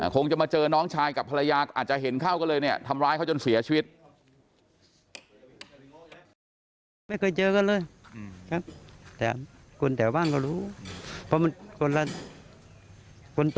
คงจะมาเจอน้องชายกับภรรยาอาจจะเห็นเข้าก็เลยเนี่ยทำร้ายเขาจนเสียชีวิต